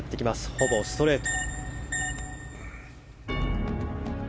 ほぼストレート。